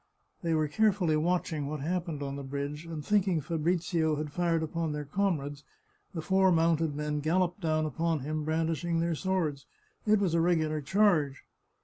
They were carefully watching what happened on the bridge, and thinking Fabrizio had fired upon their comrades, the four mounted men galloped down upon him, brandishing their swords; it was a regular charge.